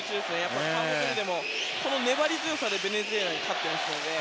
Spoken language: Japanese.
カーボベルデも粘り強さでベネズエラに勝っていますので。